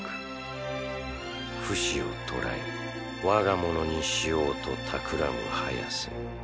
フシを捕らえ我がものにしようとたくらむハヤセ。